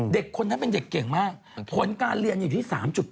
เด็กคนนั้นเป็นเด็กเก่งมากผลการเรียนอยู่ที่๓๘